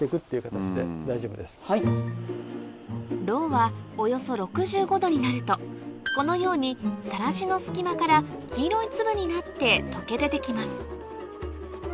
ロウはおよそ６５℃になるとこのようにサラシの隙間から黄色い粒になって溶け出て来ます